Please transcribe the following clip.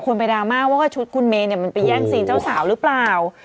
คุณเมนท์เนี่ยมันไปแย่งซีนเจ้าสาวหรือเปล่า